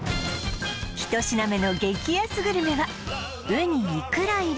１品目の激安グルメはウニ・イクラ入り！